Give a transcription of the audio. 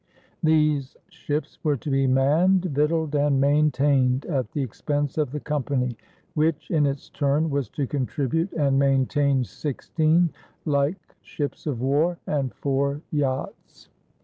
These ships were to be manned, victualed, and maintained at the expense of the Company, which in its turn was to contribute and maintain sixteen like ships of war and four yachts.